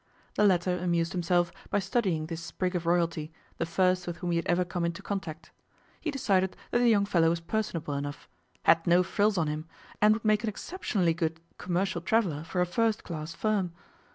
The latter amused himself by studying this sprig of royalty, the first with whom he had ever come into contact. He decided that the young fellow was personable enough, 'had no frills on him,' and would make an exceptionally good commercial traveller for a first class firm.